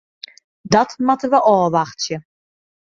Dat moatte we ôfwachtsje.